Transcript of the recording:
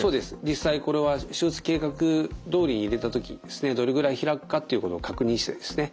実際これは手術計画どおりに入れた時にですねどれぐらい開くかっていうことを確認してですね